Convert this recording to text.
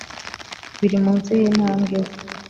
biri munsi yintambwe, ze